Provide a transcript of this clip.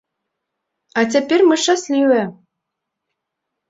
А цяпер мы шчаслівыя.